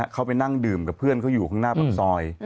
เขาไปนั่งดื่มกับเพื่อนเขาอยู่ข้างหน้าปากซอย